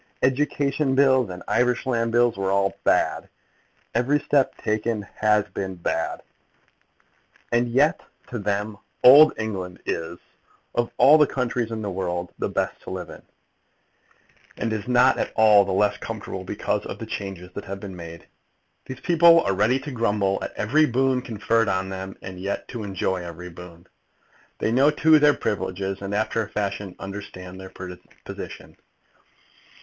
Education bills and Irish land bills were all bad. Every step taken has been bad. And yet to them old England is of all countries in the world the best to live in, and is not at all the less comfortable because of the changes that have been made. These people are ready to grumble at every boon conferred on them, and yet to enjoy every boon. They know, too, their privileges, and, after a fashion, understand their position.